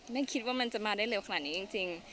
ไม่คิดว่ามันจะมาได้เร็วขนาดนี้จริง